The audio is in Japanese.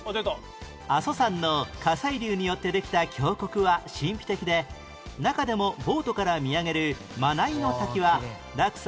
阿蘇山の火砕流によってできた峡谷は神秘的で中でもボートから見上げる真名井の滝は落差